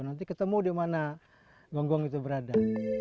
nanti ketemu di mana gonggong itu berada